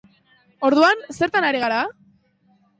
Orduan, zertan ari gara?